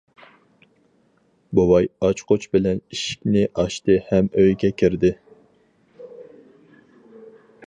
بوۋاي ئاچقۇچ بىلەن ئىشىكنى ئاچتى ھەم ئۆيگە كىردى.